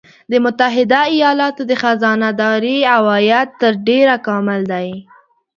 د متحده ایالاتو د خزانه داری عواید تر ډېره کامل دي